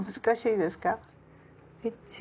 難しいですか？